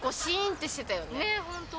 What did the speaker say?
ねえ、本当。